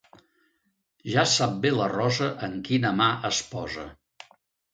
Ja sap bé la rosa en quina mà es posa.